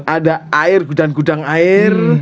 ada air gudang gudang air